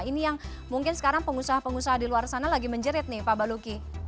ini yang mungkin sekarang pengusaha pengusaha di luar sana lagi menjerit nih pak baluki